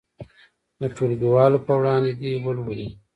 د ټولګیوالو په وړاندې دې ولولي.